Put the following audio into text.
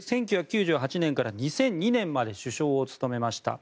１９９８年から２００２年まで首相を務めました。